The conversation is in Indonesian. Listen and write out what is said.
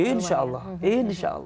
insya allah insya allah